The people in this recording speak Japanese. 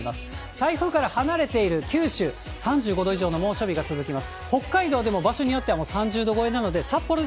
台風から離れている九州、３５度以上の猛暑日が続きます。